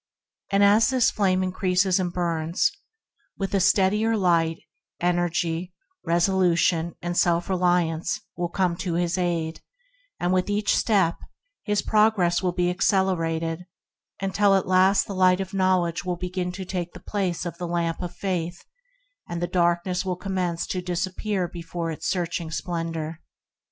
As the flame increases and burns with a steadier light, energy, resolution, and self reliance will come to man's aid, and with each step, his progress be accelerated until at last the Light of Knowledge will begin to take the place of the lamp of faith, and the darkness dis appear before its searching splendor.